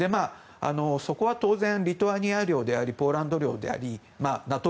そこは当然、リトアニア領でありポーランド領でありＮＡＴＯ